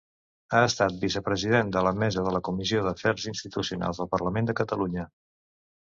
Ha estat vicepresident de la Mesa de la Comissió d'Afers Institucionals del Parlament de Catalunya.